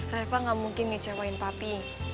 reva enggak mungkin ngecewain pak fi